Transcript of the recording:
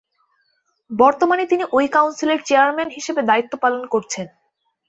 বর্তমানে তিনি ওই কাউন্সিলের চেয়ারম্যান হিসাবে দায়িত্ব পালন করছেন।